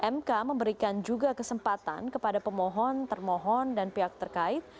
mk memberikan juga kesempatan kepada pemohon termohon dan pihak terkait